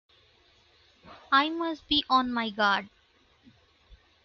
I must be on my guard!